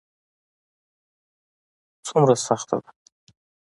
څومره سخته ده ؟